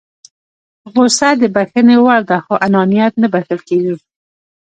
غوسه د بښنې وړ ده خو انانيت نه بښل کېږي.